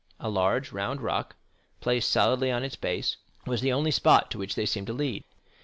A large round rock, placed solidly on its base, was the only spot to which they seemed to lead.